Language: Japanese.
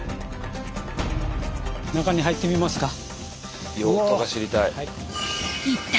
中に入ってみますか。